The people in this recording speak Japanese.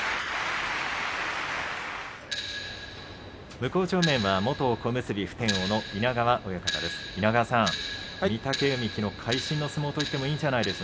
向正面は元小結普天王の稲川親方です。